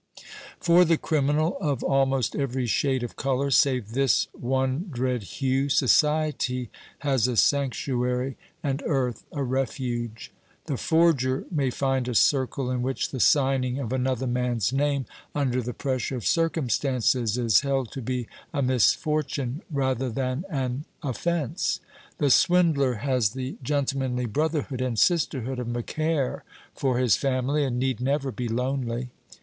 For the criminal of almost every shade of colour, save this one dread hue, society has a sanctuary and earth a refuge. The forger may find a circle in which the signing of another man's name, under the pressure of circumstances, is held to be a misfortune rather than an offence. The swindler has the gentlemanly brotherhood and sisterhood of Macaire for his family, and need never be lonely.